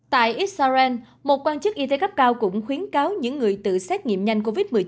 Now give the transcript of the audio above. tại israel một quan chức y tế cấp cao cũng khuyến cáo những người tự xét nghiệm nhanh covid một mươi chín